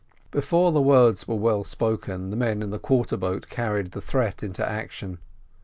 Before the words were well spoken the men in the quarter boat carried the threat into action.